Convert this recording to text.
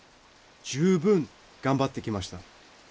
十分頑張ってきました。